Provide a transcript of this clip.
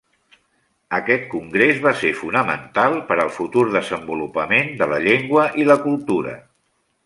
Aquest Congrés va ser fonamental per al futur desenvolupament de la llengua i la cultura.